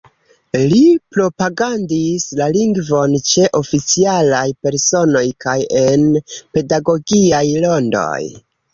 Li propagandis la lingvon ĉe oficialaj personoj kaj en pedagogiaj rondoj.